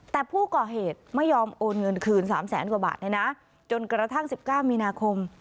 แต่ผู้ก่อเหตุไม่ยอมโอนเงินคืน๓แสนกว่าบาทเลยนะจนกระทั่ง๑๙มีนาคม